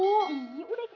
udah ikut aja yuk